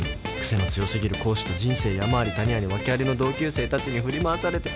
癖の強すぎる講師と人生山あり谷あり訳ありの同級生たちに振り回されて］